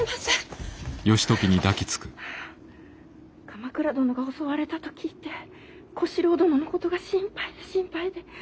鎌倉殿が襲われたと聞いて小四郎殿のことが心配で心配で。